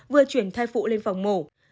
vừa chuyển thai phụ lên phòng mổ